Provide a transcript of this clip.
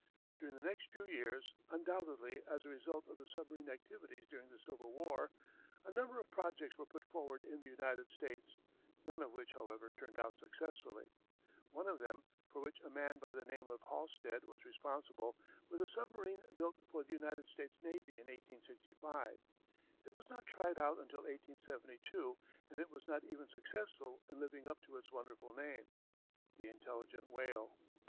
During the next few years, undoubtedly as a result of the submarine activities during the Civil War, a number of projects were put forward in the United States, none of which, however, turned out successfully. One of them, for which a man by the name of Halstead was responsible, was a submarine built for the United States Navy in 1865. It was not tried out until 1872 and it was not even successful in living up to its wonderful name, The Intelligent Whale.